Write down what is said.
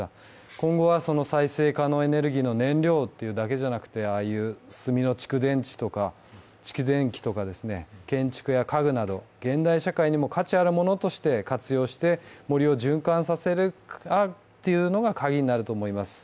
今後は再生可能のエネルギーというだけでなくて、炭の蓄電器とか建築や家具など現代社会にも価値あるものとして活用して森を循環させるというのが鍵になると思います。